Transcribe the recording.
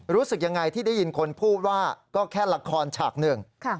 รู้สึกยังไงที่ได้ยินคนพูดว่าก็แค่ละครฉากหนึ่ง